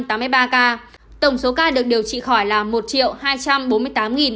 tổng số ca được điều trị khỏi là một hai trăm bốn mươi tám hai trăm bốn mươi ca